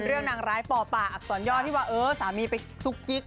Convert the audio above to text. เรื่องนางร้ายป่อประอักษรยอดที่ว่าสามีไปจุ๊กกิ๊ก